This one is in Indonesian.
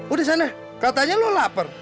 udah sana katanya lu lapar